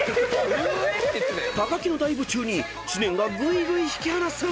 ［木のダイブ中に知念がぐいぐい引き離す］